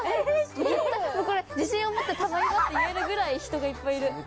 もうこれ自信を持ってたまり場って言えるぐらい人がいっぱいいる。